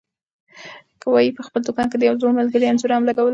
کبابي په خپل دوکان کې د یو زوړ ملګري انځور هم لګولی و.